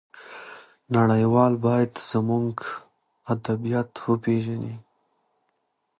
نړيوال بايد زموږ ادبيات وپېژني.